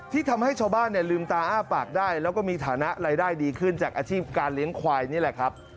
ทำให้ชาวบ้านเนี่ยลืมตาอ้าปากได้แล้วก็มีฐานะรายได้ดีขึ้นจากอาชีพการเลี้ยงควายนี่แหละครับ